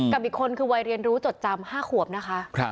กับอีกคนคือวัยเรียนรู้จดจำ๕ขวบนะคะ